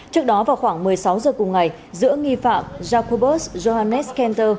trước đó vào khoảng một mươi sáu giờ cùng ngày giữa nghi phạm jacobus johannes canter